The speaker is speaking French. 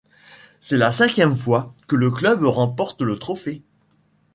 C'est la cinquième fois que le club remporte le trophée.